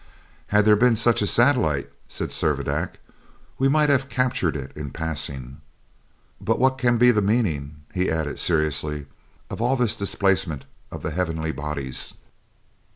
"Had there been such a satellite," said Servadac, "we might have captured it in passing. But what can be the meaning," he added seriously, "of all this displacement of the heavenly bodies?"